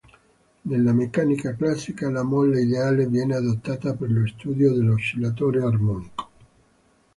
Nella meccanica classica, la molla "ideale" viene adottata per lo studio dell'oscillatore armonico.